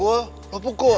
sekarang lo pukul gue